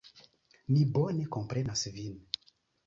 Mi bone komprenas vin.